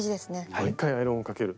もう１回アイロンをかける。